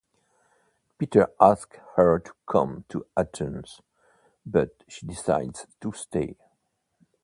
Peter asks her to come to Athens but she decides to stay.